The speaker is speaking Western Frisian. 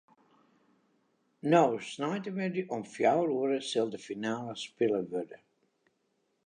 No sneintemiddei om fjouwer oere sil de finale spile wurde.